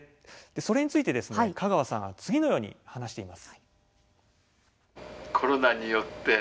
それについて香川さんは次のように話しています。